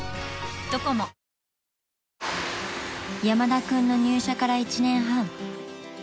［山田君の入社から１年半］